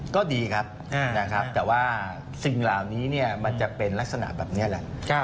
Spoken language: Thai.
ก็ดีครับนะครับแต่ว่าสิ่งเหล่านี้มันจะเป็นลักษณะแบบนี้แหละ